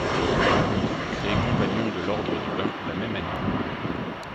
Il fut créé Compagnon de l'Ordre du Bain la même année.